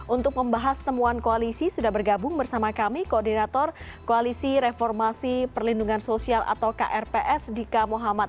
untuk membahas temuan koalisi sudah bergabung bersama kami koordinator koalisi reformasi perlindungan sosial atau krps dika muhammad